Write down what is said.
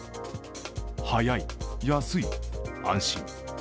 早い、安い、安心。